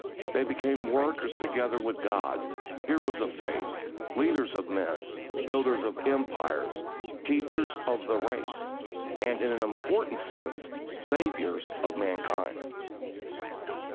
They became "workers together with God," heroes of faith, leaders of men, builders of empire, teachers of the race, and, in an important sense, saviours of mankind.